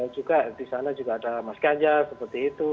juga di sana juga ada mas ganjar seperti itu